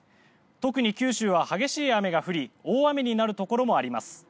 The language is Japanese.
特に九州は激しい雨が降り大雨になるところもあります。